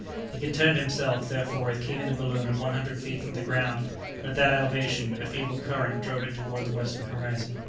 He contented himself, therefore, with keeping the balloon at one hundred feet from the ground, and, at that elevation, a feeble current drove it toward the western horizon.